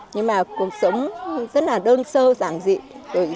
nhưng mà cuộc sống rất là đơn sơ giản dị